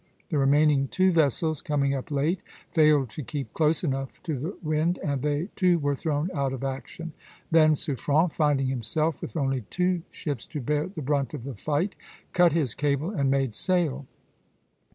The remaining two vessels, coming up late, failed to keep close enough to the wind, and they too were thrown out of action (d, e). Then Suffren, finding himself with only two ships to bear the brunt of the fight, cut his cable and made sail.